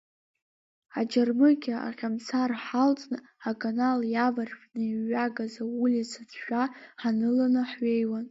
Аџьармыкьа аҟьамсар ҳалҵны, аканал иаваршәны иҩагаз аулица ҭшәа ҳаныланы ҳҩеиуан.